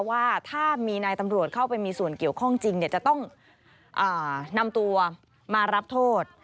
ว่าถ้ามีนายตำรวจเข้าไปมีส่วนเกี่ยวข้องจริงจะต้องนำตัวมารับโทษ